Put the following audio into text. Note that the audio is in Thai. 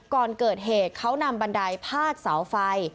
ก่อนเกิดเหตุเขานำบันไดพาดเสาไฟ